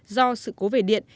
do sự cố vệ điện